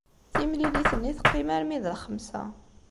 Timlilit-nni teqqim armi d lxemsa.